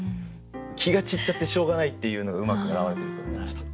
気が散っちゃってしょうがないっていうのがうまく表れてると思いました。